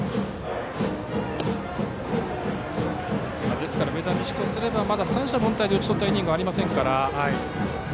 ですから上田西とすればまだ三者凡退で打ち取ったイニングはないので。